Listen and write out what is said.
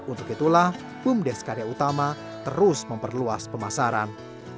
untuk itulah bumdes karya utama terus memperluas pemasaran